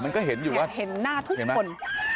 มันก็เห็นอยู่ว่าเห็นหน้าทุกคน